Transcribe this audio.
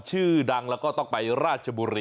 ชื่อดังแล้วก็ต้องไปราชบุรี